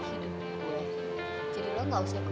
jadi lo gak usah kucap